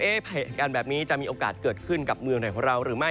เหตุการณ์แบบนี้จะมีโอกาสเกิดขึ้นกับเมืองไหนของเราหรือไม่